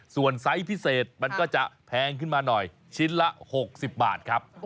ส่วนไซส์พิเศษมันก็จะแพงขึ้นมาหน่อยชิ้นละ๖๐บาทครับ